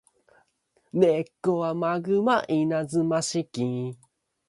She divorced him.